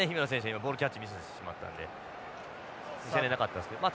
今ボールキャッチミスしてしまったので行けれなかったですけどま